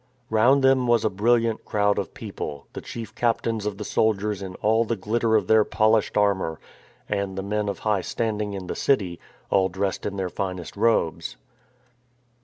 Round them was a brilliant crowd of people, the chief captains of the soldiers in all the glitter of their polished armour; and the men of high standing in the city, all dressed in their finest robes.